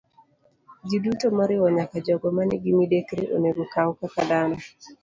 Jiduto, moriwo nyaka jogo ma nigi midekre, onego okaw kaka dhano.